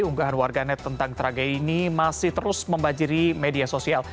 unggahan warganet tentang tragedi ini masih terus membajiri media sosial